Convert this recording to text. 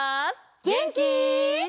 げんき？